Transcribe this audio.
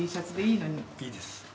いいです。